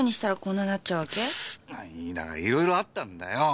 だからいろいろあったんだよ！